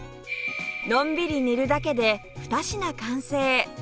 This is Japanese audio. のんびり煮るだけで２品完成！